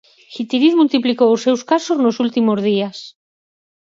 Guitiriz multiplicou os seus casos nos últimos días.